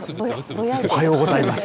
おはようございます。